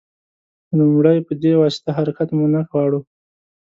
لومړی په دې واسطه حرکت مو نه غواړو.